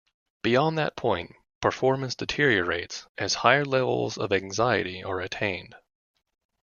Beyond that point, performance deteriorates as higher levels of anxiety are attained.